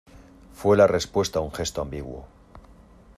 fué la respuesta un gesto ambiguo: